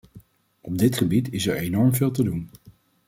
Op dit gebied is er enorm veel te doen.